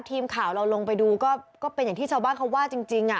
ทีมข่าวเราลงไปดูก็เป็นอย่างที่ชาวบ้านเขาว่าจริงอ่ะ